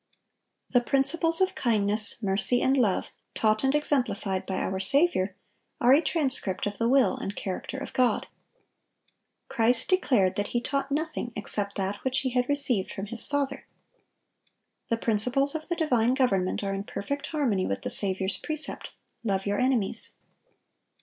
The principles of kindness, mercy, and love, taught and exemplified by our Saviour, are a transcript of the will and character of God. Christ declared that He taught nothing except that which He had received from His Father. The principles of the divine government are in perfect harmony with the Saviour's precept, "Love your enemies."